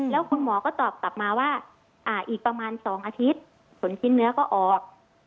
แล้วคุณหมอก็ตอบกลับมาว่าอีกประมาณ๒อาทิตย์ผลชิ้นเนื้อก็ออก